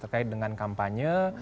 terkait dengan kampanye